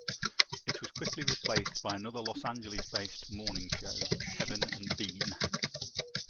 It was quickly replaced by another Los Angeles-based morning show, Kevin and Bean.